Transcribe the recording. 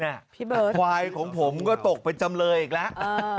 เบิร์ตควายของผมก็ตกเป็นจำเลยอีกแล้ว